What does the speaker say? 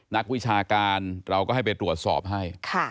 นักวิชาการเราก็ให้ไปตรวจสอบให้